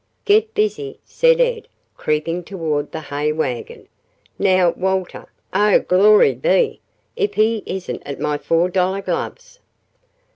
"Get busy," said Ed, creeping toward the hay wagon. "Now, Walter Oh, Glory be! If he isn't at my four dollar gloves!"